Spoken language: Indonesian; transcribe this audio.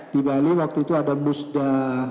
di bali waktu itu ada musda